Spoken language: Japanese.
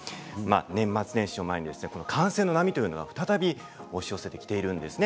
年末年始を前に感染の波というのが再び押し寄せてきているんですね。